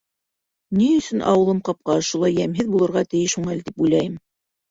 Ә ни өсөн ауылым ҡапҡаһы ошолай йәмһеҙ булырға тейеш һуң әле, тип уйлайым.